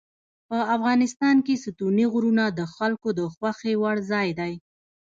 افغانستان کې ستوني غرونه د خلکو د خوښې وړ ځای دی.